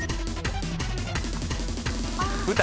舞台。